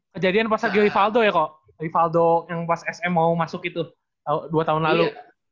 kejadian pas lagi valdo ya kok rivaldo yang pas sm mau masuk itu dua tahun lalu